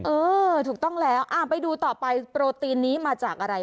เออถูกต้องแล้วไปดูต่อไปโปรตีนนี้มาจากอะไร